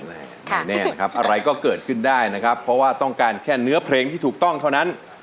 แน่นะครับอะไรก็เกิดขึ้นได้นะครับเพราะว่าต้องการแค่เนื้อเพลงที่ถูกต้องเท่านั้น